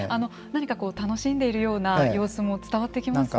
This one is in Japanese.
何かこう楽しんでいるような様子も伝わってきますよね。